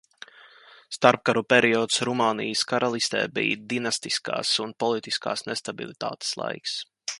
Starpkaru periods Rumānijas Karalistē bija dinastiskās un politiskās nestabilitātes laiks.